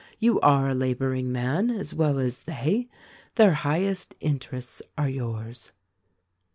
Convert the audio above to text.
You are a laboring man, as well as they. Their highest interests are yours."